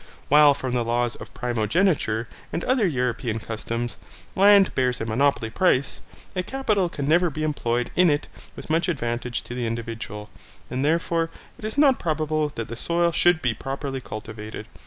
While from the law of primogeniture, and other European customs, land bears a monopoly price, a capital can never be employed in it with much advantage to the individual; and, therefore, it is not probable that the soil should be properly cultivated.